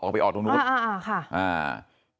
ออกไปหาตรงนู้นตอนนี้ที่ดินต่างเนี่ยเค้าสร้าง